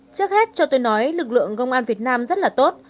trước hết cho tôi nói lực lượng công an việt nam rất là tốt